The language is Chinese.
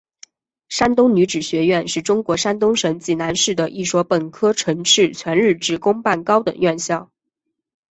山东女子学院是中国山东省济南市的一所本科层次全日制公办高等院校。